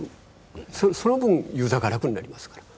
その分ユーザーが楽になりますから。